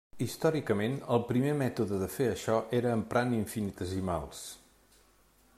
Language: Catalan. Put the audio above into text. Històricament, el primer mètode de fer això era emprant infinitesimals.